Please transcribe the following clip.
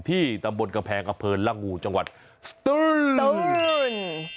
ที่ตำบลกระแพงอเภิลรังงูจังหวัดสตูน